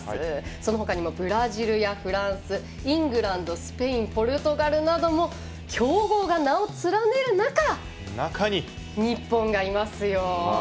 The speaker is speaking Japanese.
その他にもブラジルやフランスイングランド、スペインポルトガルなど強豪が名を連ねる中日本がいますよ。